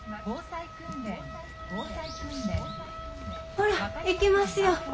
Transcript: ほら行きますよ。